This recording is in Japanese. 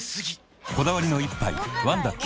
こだわりの一杯「ワンダ極」